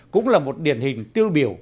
cũng là một điển hình tiêu biểu